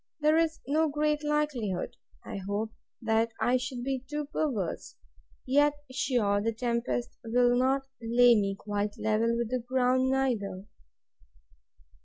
—There is no great likelihood, I hope, that I should be too perverse; yet sure, the tempest will not lay me quite level with the ground, neither.